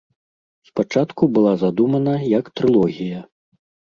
Спачатку была задумана як трылогія.